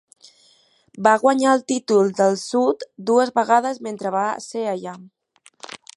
Va guanyar el títol del Sud dues vegades mentre va ser allà.